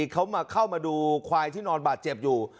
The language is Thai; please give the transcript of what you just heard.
เขาเข้ามาดูควายที่นอนบาดเจ็บอยู่